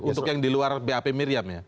untuk yang di luar bap miriam ya